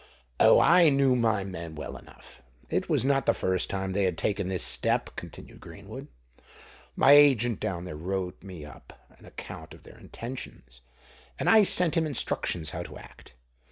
"Oh! I knew my men well enough: it was not the first time they had taken this step," continued Greenwood. "My agent down there wrote me up an account of their intentions; and I sent him instructions how to act.